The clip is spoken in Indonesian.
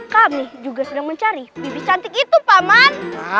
kami juga sedang mencari bibit cantik itu paman